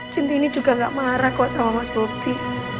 centini juga ga marah kok sama mas bobby